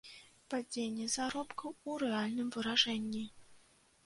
Падзенне заробкаў у рэальным выражэнні.